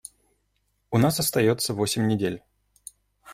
У нас остается восемь недель.